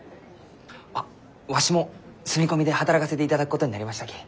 あっわしも住み込みで働かせていただくことになりましたき。